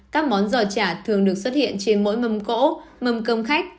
các món giò chả thường được xuất hiện trên mỗi mâm cỗ mâm công khách